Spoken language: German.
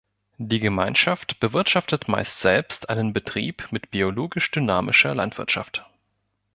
Die Gemeinschaft bewirtschaftet meist selbst einen Betrieb mit biologisch-dynamischer Landwirtschaft.